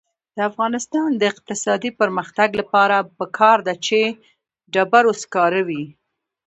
د افغانستان د اقتصادي پرمختګ لپاره پکار ده چې ډبرو سکاره وي.